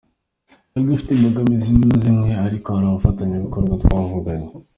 Twari dufite imbogamizi zimwe na zimwe ariko hari abafatanyabikorwa twavuganye.